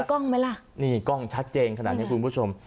กล้องไหมล่ะนี่กล้องชัดเจนขนาดนี้คุณผู้ชม